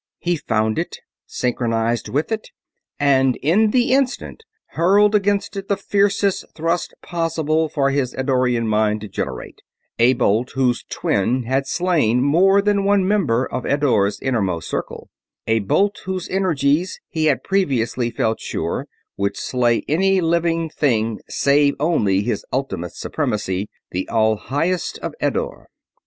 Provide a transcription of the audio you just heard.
He found it synchronized with it and in the instant hurled against it the fiercest thrust possible for his Eddorian mind to generate: a bolt whose twin had slain more than one member of Eddore's Innermost Circle; a bolt whose energies, he had previously felt sure, would slay any living thing save only His Ultimate Supremacy, the All Highest of Eddore.